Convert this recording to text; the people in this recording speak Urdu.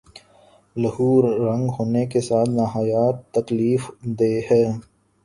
لہو رنگ ہونے کے ساتھ نہایت تکلیف دہ ہے